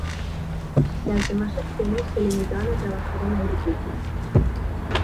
Las demás opciones se limitaban a trabajar en la agricultura.